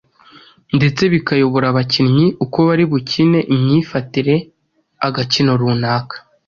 ndetse bikayobora abakinnyi uko bari bukine ( imyifatire) agakino runaka